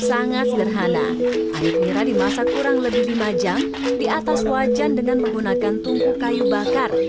sangat sederhana air nira dimasak kurang lebih lima jam di atas wajan dengan menggunakan tungku kayu bakar